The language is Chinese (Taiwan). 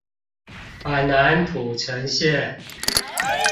板南土城線